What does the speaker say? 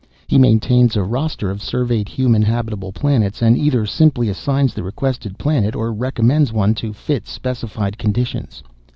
He maintains a roster of surveyed human habitable planets, and either simply assigns the requested planet or recommends one to fit specified conditions.